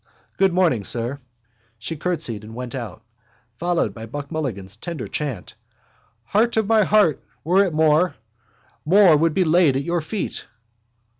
Good morning, sir. She curtseyed and went out, followed by Buck Mulligan's tender chant: _—Heart of my heart, were it more, More would be laid at your feet.